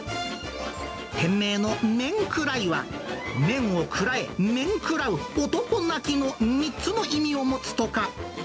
店名のメンクライは、麺を食らえ、面食らう、男泣きの３つの意味を持つとか。